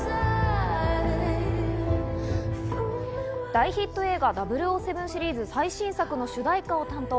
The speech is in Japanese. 大ヒット映画『００７』シリーズ最新作の主題歌を担当。